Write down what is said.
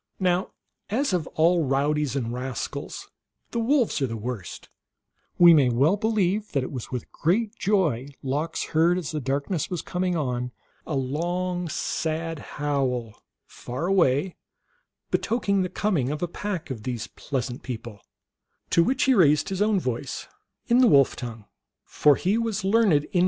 Now as of all rowdies and rascals the wolves are the worst, we may well believe that it was with great joy Lox heard, as the darkness was coming on, a long, sad howl, far away, betokening the coming of a pack of these pleasant people ; to which he raised his own voice in the wolf tongue, for he was learned in THE MERRY TALES OF LOX.